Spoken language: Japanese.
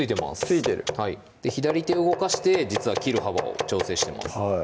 付いてる左手を動かして実は切る幅を調整してます